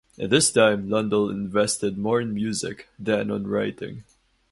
At this time Lundell invested more in music than on writing.